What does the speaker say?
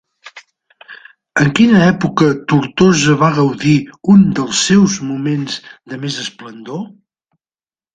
En quina època Tortosa va gaudir un dels seus moments de més esplendor?